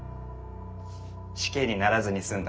死刑にならずに済んだ。